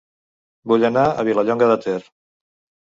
Vull anar a Vilallonga de Ter